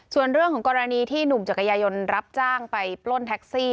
ส่วนเรื่องของกรณีที่หนุ่มจักรยายนต์รับจ้างไปปล้นแท็กซี่